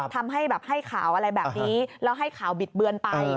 ทำให้แบบให้ข่าวอะไรแบบนี้แล้วให้ข่าวบิดเบือนไป